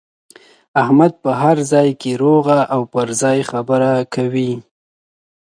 احمد په هر ځای کې روغه او پر ځای خبره کوي.